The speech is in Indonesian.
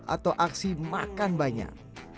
atau aksi makan banyak